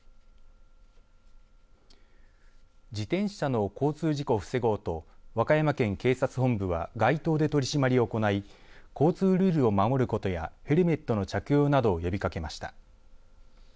自転車の交通事故を防ごうと和歌山県警察本部は街頭で取り締まりを行い交通ルールを守ることやヘルメットの着用などを呼びかけました。